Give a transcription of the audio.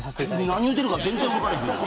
何言うてるか全然分からん。